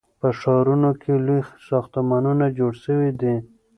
په ښارونو کې لوی ساختمانونه جوړ سوي دي.